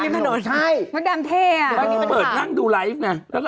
ตอนนี้แบบเปิดนั่งดูไลฟฟนะ